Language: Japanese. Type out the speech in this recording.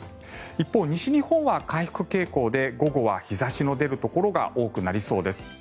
一方、西日本は回復傾向で午後は日差しの出るところが多くなりそうです。